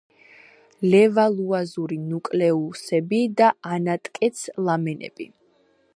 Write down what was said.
ლევალუაზური ნუკლეუსები და ანატკეც-ლამელები.